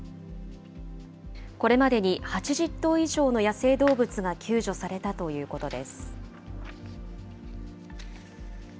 これまでに８０頭以上の野生動物が救助されたということです。